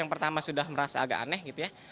yang pertama sudah merasa agak aneh gitu ya